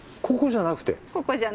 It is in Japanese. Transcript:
ここじゃなくて。